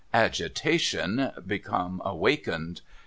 Agitation become awakened.